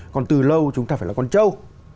còn từ lâu chúng ta phải là con châu